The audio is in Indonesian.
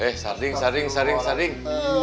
eh sarding sarding sarding